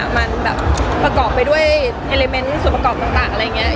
มันแบบประกอบไปด้วยเอลิเมนต์ส่วนประกอบต่างอะไรอย่างนี้